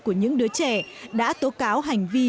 của những đứa trẻ đã tố cáo hành vi